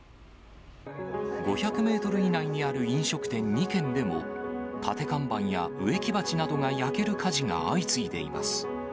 ５００メートル以内にある飲食店２軒でも、立て看板や植木鉢などが焼ける火事が相次いでいます。